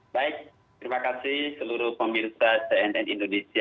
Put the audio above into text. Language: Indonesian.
baik terima kasih seluruh pemirsa cnn indonesia